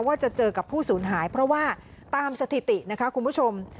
ว่าจะเจอกับผู้สูญหายเพราะว่าตามสถิตินะคะคุณผู้ชม